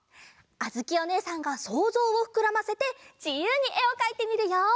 あづきおねえさんがそうぞうをふくらませてじゆうにえをかいてみるよ！